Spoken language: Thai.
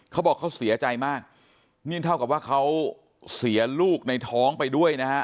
เขาบอกเขาเสียใจมากนี่เท่ากับว่าเขาเสียลูกในท้องไปด้วยนะฮะ